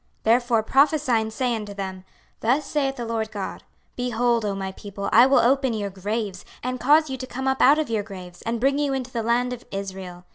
26:037:012 Therefore prophesy and say unto them, Thus saith the Lord GOD; Behold, O my people, I will open your graves, and cause you to come up out of your graves, and bring you into the land of Israel.